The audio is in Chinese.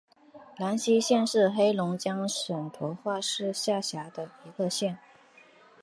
兰西县是黑龙江省绥化市下辖的一个县。